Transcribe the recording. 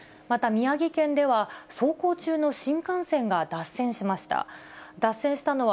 また、宮城県では、走行中の新幹線が脱線しました。